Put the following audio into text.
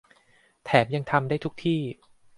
แถมยังทำได้ทุกที่